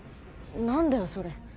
何だよそれ。